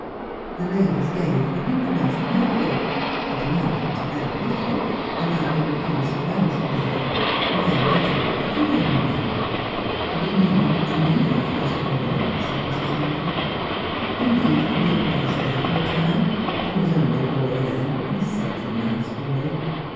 The ladies gave what information they could (it amounted to very little) about the recluse of Wensleydale; then they talked of the young man. "We knew him at Geneva, first of all," said Mrs. Hannaford. "Indeed, he lived with us there for a time; he was only a boy, then, and such a nice boy!